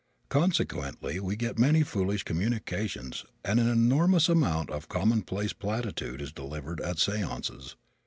Consequently we get many foolish communications and an enormous amount of commonplace platitude is delivered at seances.